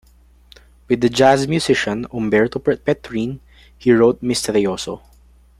With the jazz musician Umberto Petrin, he wrote Misterioso.